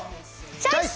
チョイス！